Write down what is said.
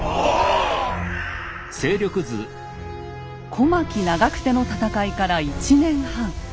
小牧・長久手の戦いから１年半。